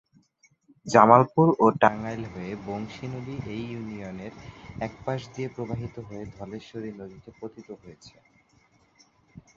জামালপুর ও টাঙ্গাইল হয়ে বংশী নদী এই ইউনিয়নের এক পাশ দিয়ে প্রবাহিত হয়ে ধলেশ্বরী নদীতে পতিত হয়েছে।